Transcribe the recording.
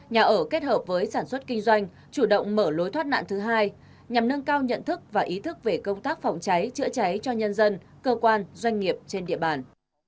nhà ở kết hợp với sản xuất kinh doanh chủ động mở lối thoát nạn thứ hai nhằm nâng cao nhận thức và ý thức về công tác phòng cháy chữa cháy cho nhân dân cơ quan doanh nghiệp trên địa bàn